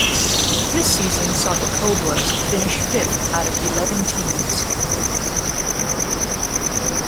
This season saw the Cobras finish fifth out of eleven teams.